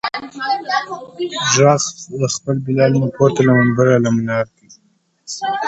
ږغ د خپل بلال مي پورته له منبره له منار کې !.